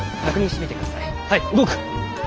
はい動く！